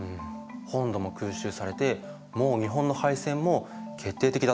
本土も空襲されてもう日本の敗戦も決定的だったのに？